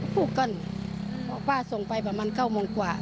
ลูกก็ป้าส่งไปประมาณ๙โมงกว่า